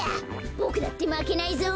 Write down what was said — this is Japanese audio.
ボクだってまけないぞ。